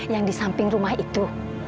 yang di samping rumah itu